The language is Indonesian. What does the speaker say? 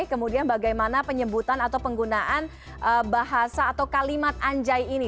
kemudian bagaimana penyebutan atau penggunaan bahasa atau kalimat anjai ini